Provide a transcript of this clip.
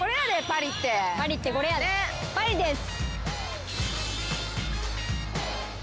パリです。